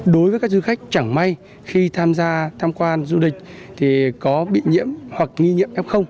đối với các du khách chẳng may khi tham gia tham quan du lịch thì có bị nhiễm hoặc nghi nhiễm f